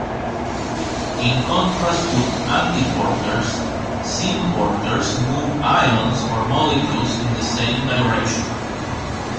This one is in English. In contrast to antiporters, symporters move ions or molecules in the same direction.